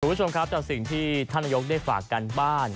คุณผู้ชมครับจากสิ่งที่ท่านนายกได้ฝากกันบ้าน